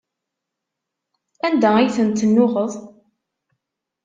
Anda ay tent-tennuɣeḍ?